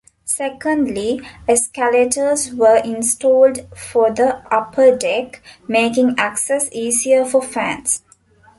Secondly, escalators were installed for the upper deck, making access easier for fans.